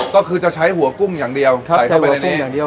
ก็คือจะใช้หัวกุ้งอย่างเดียวใส่เข้าไปในนี้